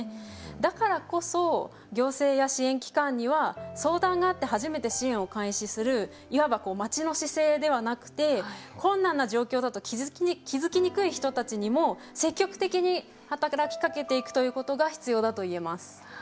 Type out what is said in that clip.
だからこそ行政や支援機関には相談があって初めて支援を開始するいわば待ちの姿勢ではなくて困難な状況だと気付きにくい人たちにも積極的に働きかけていくということが必要だといえます。